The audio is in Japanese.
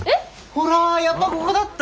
ほらやっぱこごだった！